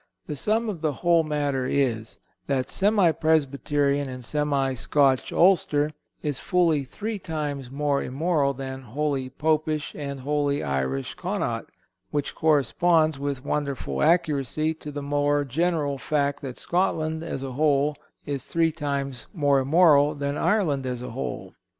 The sum of the whole matter is, that semi Presbyterian and semi Scotch Ulster is fully three times more immoral than wholly Popish and wholly Irish Connaught—which corresponds with wonderful accuracy to the more general fact that Scotland, as a whole, is three times more immoral than Ireland as a whole."